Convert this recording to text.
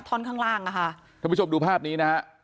ท่อนข้างล่างอ่ะค่ะท่านผู้ชมดูภาพนี้นะฮะ